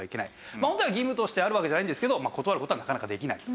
まあホントは義務としてあるわけじゃないんですけど断る事はなかなかできない。